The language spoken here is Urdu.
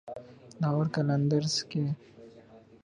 لاہور قلندرز کے